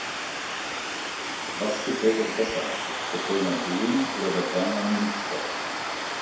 Was gefällt euch besser: Der Kölner Dom oder der Berner Münster?